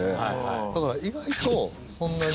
だから意外とそんなに。